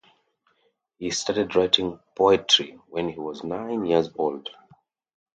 He started writing poetry when he was nine years old.